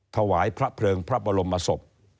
ถวายพระเพลิงพระบรมศพ